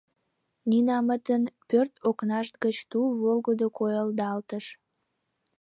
Нинамытын пӧрт окнашт гыч тул волгыдо койылдалтыш.